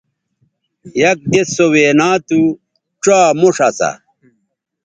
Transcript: یک دِس سو وینا تھو ڇا موݜ اسا